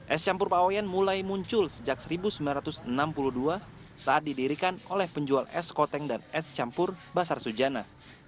es campur paoyen mulai muncul sejak seribu sembilan ratus enam puluh dua saat didirikan oleh penjual es koteng dan es campur basar sujana